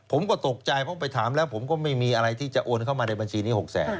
ผมก็ตกใจเพราะไปถามแล้วผมก็ไม่มีอะไรที่จะโอนเข้ามาในบัญชีนี้๖แสน